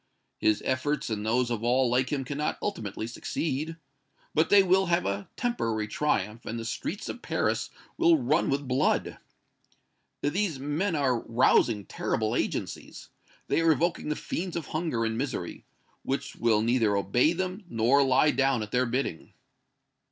His efforts and those of all like him cannot ultimately succeed. But they will have a temporary triumph, and the streets of Paris will run with blood! These men are rousing terrible agencies. They are evoking the fiends of hunger and misery, which will neither obey them nor lie down at their bidding."